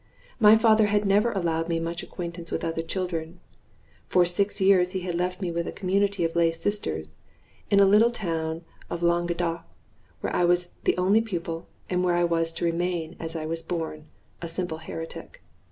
My father had never allowed me much acquaintance with other children; for six years he had left me with a community of lay sisters, in a little town of Languedoc, where I was the only pupil, and where I was to remain as I was born, a simple heretic.